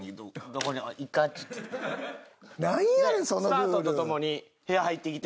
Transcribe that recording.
スタートとともに部屋入ってきて。